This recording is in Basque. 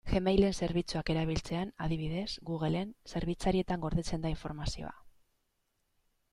Gmail-en zerbitzuak erabiltzean, adibidez, Google-en zerbitzarietan gordetzen da informazioa.